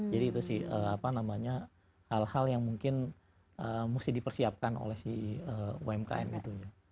jadi itu sih apa namanya hal hal yang mungkin mesti dipersiapkan oleh si umkm gitu ya